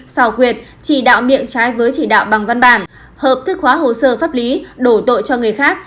xào quyệt chỉ đạo miệng trái với chỉ đạo bằng văn bản hợp thức hóa hồ sơ pháp lý đổ tội cho người khác